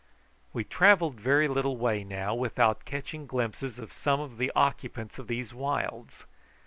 We travelled very little way now without catching glimpses of some of the occupants of these wilds.